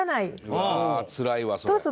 うわーつらいわそれ。